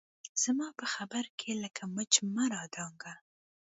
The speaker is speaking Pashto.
زما په خبره کښې لکه مچ مه رادانګه